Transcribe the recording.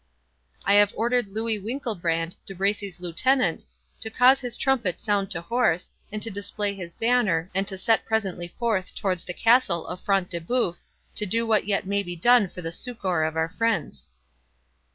"I have ordered Louis Winkelbrand, De Bracy's lieutenant, to cause his trumpet sound to horse, and to display his banner, and to set presently forth towards the castle of Front de Bœuf, to do what yet may be done for the succour of our friends."